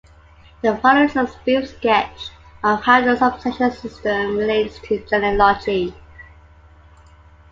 The following is a brief sketch of how the subsection system relates to genealogy.